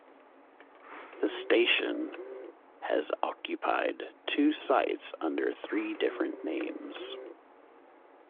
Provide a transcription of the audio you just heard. The station has occupied two sites under three different names.